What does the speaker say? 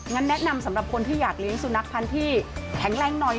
แนะนำสำหรับคนที่อยากเลี้ยงสุนัขพันธุ์ที่แข็งแรงหน่อย